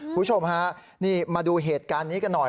ผู้ชมมาดูเหตุการณ์นี้กันหน่อย